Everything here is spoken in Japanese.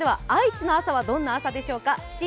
愛知の朝はどんな朝でしょうか。